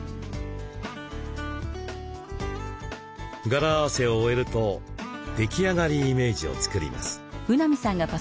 柄合わせを終えると出来上がりイメージを作ります。